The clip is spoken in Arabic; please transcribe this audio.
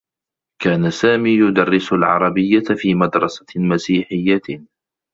كان سامي يدرّس العربيّة في مدرسة مسيحيّة.